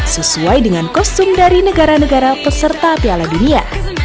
sesuai dengan kostum dari negara negara peserta piala dunia